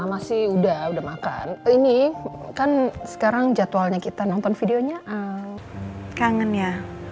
masih udah udah makan ini kan sekarang jadwalnya kita nonton videonya kangen ya